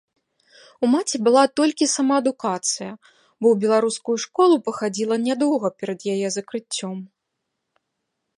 У маці была толькі самаадукацыя, бо ў беларускую школу пахадзіла нядоўга перад яе закрыццём.